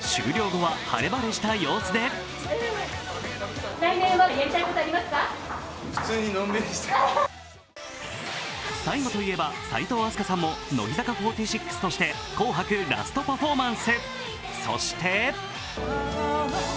終了後は晴々した様子で最後といえば齋藤飛鳥さんも乃木坂４６として紅白ラストパフォーマンス。